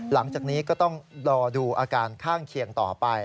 หลังจากนี้ก็ต้องรอดูอาการข้างเคียงต่อไป